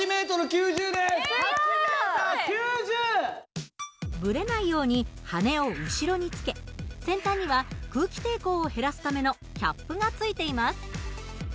すごい！ブレないように羽根を後ろにつけ先端には空気抵抗を減らすためのキャップがついています。